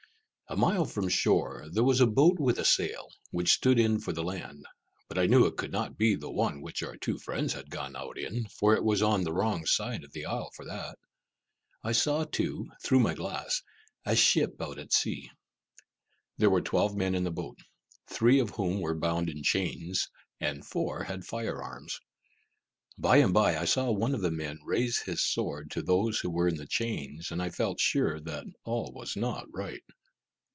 A mile from shore, there was a boat with a sail, which stood in for the land; but I knew it could not be the one which our two friends had gone out in, for it was on the wrong side of the isle for that. I saw too, through my glass, a ship out at sea. There were twelve men in the boat, three of whom were bound in chains, and four had fire arms. Bye and bye, I saw one of the men raise his sword to those who were in chains, and I felt sure that all was not right.